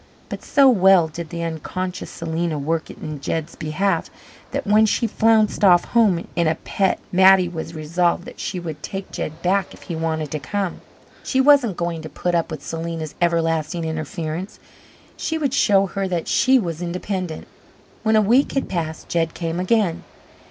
But so well did the unconscious Selena work in Jed's behalf that when she flounced off home in a pet Mattie was resolved that she would take Jed back if he wanted to come. She wasn't going to put up with Selena's everlasting interference. She would show her that she was independent. When a week had passed Jed came again.